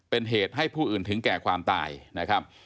เป็นเหตุให้ผู้อื่นถึงแก่ความตายนะครับ